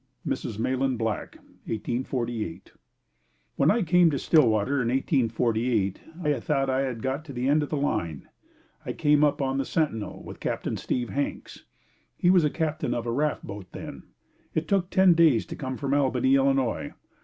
Mrs. Mahlon Black 1848. When I came to Stillwater in 1848, I thought I had got to the end of the line. I came up on the Sentinel with Captain Steve Hanks. He was captain of a raft boat then. It took ten days to come from Albany, Illinois.